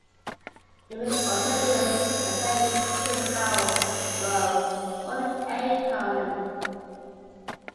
It may also be appended to the vowel row or the "a" column.